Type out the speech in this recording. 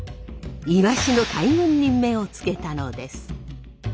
イワシの大群に目をつけたのです。